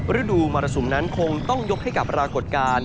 ฤดูมรสุมนั้นคงต้องยกให้กับปรากฏการณ์